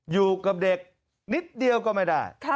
อยู่กับเด็กนิดเดียวก็ไม่ได้